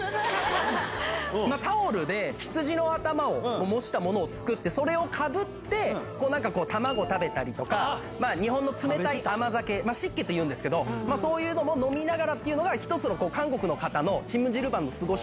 タオルで羊の頭を模したものを作ってそれをかぶって卵食べたり日本の冷たい甘酒シッケというんですけどそういうの飲みながらというのが韓国の方のチムジルバンの過ごし方。